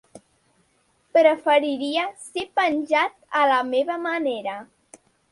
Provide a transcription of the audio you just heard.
Preferiria ser penjat a la meva manera.